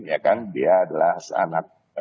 ya kan dia adalah anak